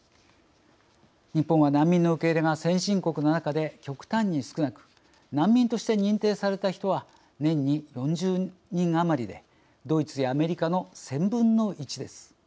日本は難民の受け入れが先進国の中で極端に少なく難民として認定された人は年に４０人余りでドイツやアメリカの１０００分の１です。